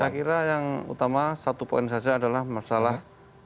saya kira yang utama satu poin saja adalah masalah